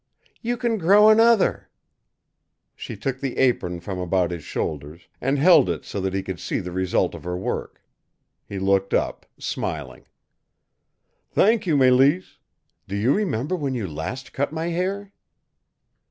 "You can grow another." She took the apron from about his shoulders, and held it so that he could see the result of her work. He looked up, smiling. "Thank you, Mélisse. Do you remember when you last cut my hair?"